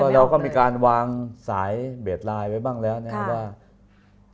เราก็มีการวางสายเบียดลายไปบ้างแล้วนี่ไหมครับ